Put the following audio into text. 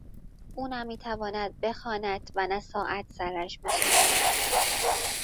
او نه میتواند بخواند و نه ساعت سرش میشود.